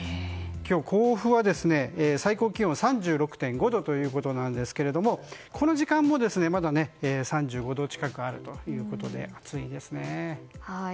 今日、甲府は最高気温３６．５度なんですがこの時間もまだ３５度近くあるということで、暑いですね。